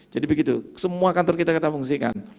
jadi begitu semua kantor kita kita fungsikan